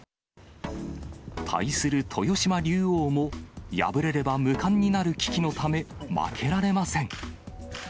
対する豊島竜王も、敗れれば無冠になる危機のため、負けられません。